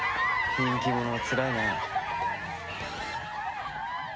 人気者はつらいな。